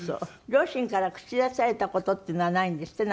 両親から口出しされた事っていうのはないんですって？